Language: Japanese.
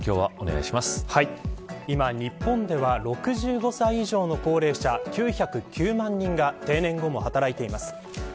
今日本では６５歳以上の高齢者９０９万人が定年後も働いています。